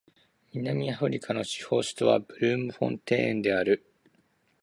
南アフリカの司法首都はブルームフォンテーンである